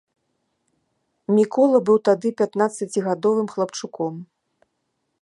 Мікола быў тады пятнаццацігадовым хлапчуком.